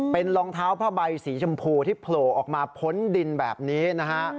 เป็นรองเท้าผ้าใบสีชมพูที่โผล่ออกมาพ้นดินแบบนี้นะฮะ